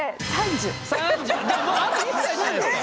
じゃあもうあと１歳じゃないですか！